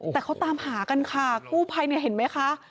แต่เขาตามหากันค่ะกู้ภัยเนี่ยเห็นไหมคะ